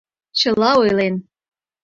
Чыла ойлен.